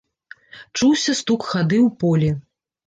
Чуўся стук хады ў полі.